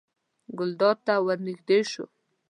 ګلداد ته ور نږدې شوه.